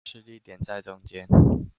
施力點在中間